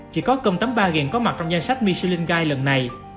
chỉ có cơm tấm ba g có mặt trong danh sách michelin guide lần này